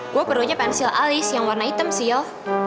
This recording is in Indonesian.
gue perlunya pinsil alis yang warna hitam sih yow